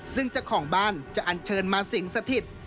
ซึ่งเจ้าของบ้านจะอันเชิญมาสิ่งสถิต